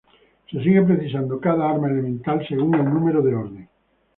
Se sigue precisando cada arma elemental según el número de orden.